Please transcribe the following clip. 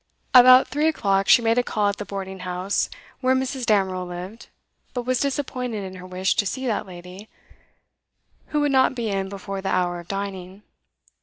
About three o'clock she made a call at the boarding house where Mrs. Damerel lived, but was disappointed in her wish to see that lady, who would not be in before the hour of dining.